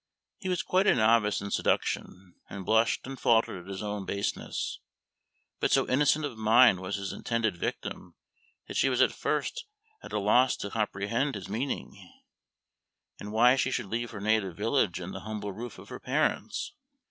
He was quite a novice in seduction, and blushed and faltered at his own baseness; but so innocent of mind was his intended victim that she was at first at a loss to comprehend his meaning, and why she should leave her native village and the humble roof of her parents.